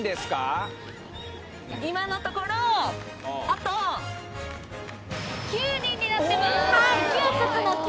今のところあと９人になってますおっ！